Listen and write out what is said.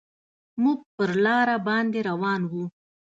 موږ پر لاره باندې روان وو.